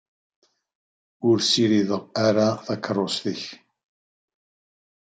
Ur ssirideɣ ara takeṛṛust-ik.